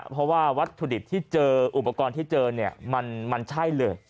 เพราะว่าวัตถุดิบที่เจออุปกรณ์ที่เจอเนี่ยมันใช่เลย